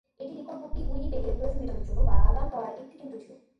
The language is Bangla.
এটি নিকটবর্তী উইনিপেগের প্রয়োজন মেটানোর জন্য বাজার বাগান করার একটি কেন্দ্র ছিল।